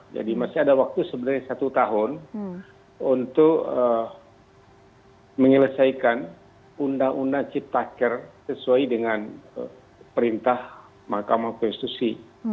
jadi masih ada waktu sebenarnya satu tahun untuk menyelesaikan undang undang cipta kerja sesuai dengan perintah mahkamah konstitusi